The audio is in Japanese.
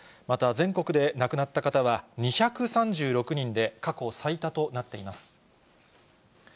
また、全国で亡くなった方は２３６人で過去最多となっています。